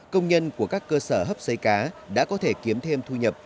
công nhân của các cơ sở hấp xấy cá đã có thể kiếm thêm thu nhập